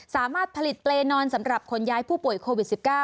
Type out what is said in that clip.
สามารถผลิตเปรย์นอนสำหรับขนย้ายผู้ป่วยโควิด๑๙